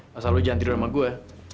masa lalu jangan tidur sama gue